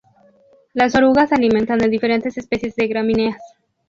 Las orugas se alimentan de diferentes especies de gramíneas.